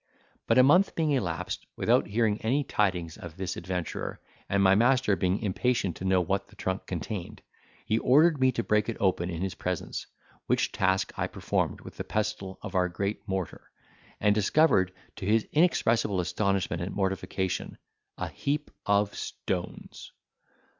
But a month being elapsed without hearing any tidings of this adventurer, and my master being impatient to know what the trunk contained, he ordered me to break it open in his presence, which task I performed with the pestle of our great mortar, and discovered, to his inexpressible astonishment and mortification, a heap of stones.